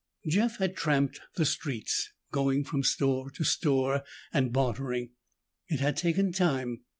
Jeff had tramped the streets, going from store to store and bartering. It had taken time.